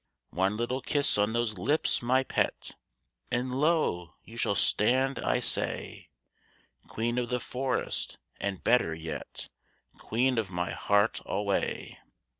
One little kiss on those lips, my pet, And lo! you shall stand, I say, Queen of the forest, and, better yet, Queen of my heart alway."